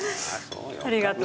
ありがとう。